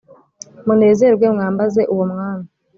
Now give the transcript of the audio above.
munezerwe, mwambaze uwo mwami